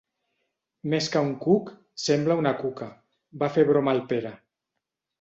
Més que un cuc, sembla una cuca —va fer broma el Pere.